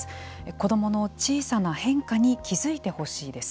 子どもの小さな変化に気付いてほしいです。